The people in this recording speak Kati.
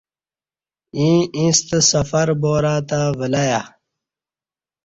ییں ایݩستہ سفر بارا تہ ولہیہ